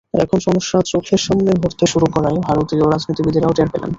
এখন সমস্যা চোখের সামনে ঘটতে শুরু করায় ভারতীয় রাজনীতিবিদেরাও টের পেলেন।